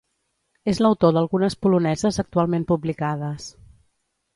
És l'autor d'algunes poloneses actualment publicades.